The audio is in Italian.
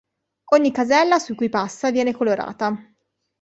Ogni casella su cui passa viene colorata.